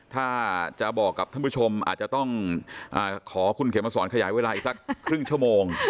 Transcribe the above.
ถ้าจะบอกกับท่านผู้ชมอาจจะต้องขอคุณเขมสอนขยายเวลาอีกสักครึ่งชั่วโมง